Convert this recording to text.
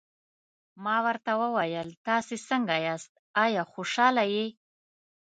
ما ورته وویل: تاسي څنګه یاست، آیا خوشحاله یې؟